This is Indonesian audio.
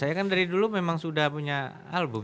saya kan dari dulu memang sudah punya album